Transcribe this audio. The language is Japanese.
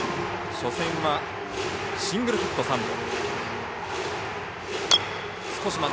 初戦はシングルヒット３本。